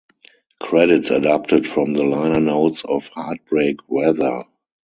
Credits adapted from the liner notes of "Heartbreak Weather".